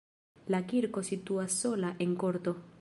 La kirko situas sola en korto.